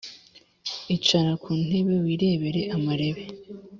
Icara ku ntebe wirebere amarebe